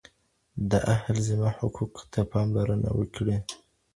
د اهل ذمه حقوقو ته پاملرنه وکړئ.